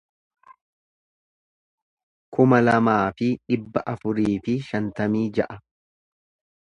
kuma lamaa fi dhibba afurii fi shantamii ja'a